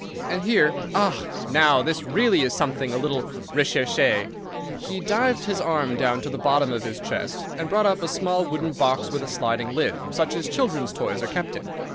And here—ah, now, this really is something a little recherché." He dived his arm down to the bottom of the chest, and brought up a small wooden box with a sliding lid, such as children's toys are kept in.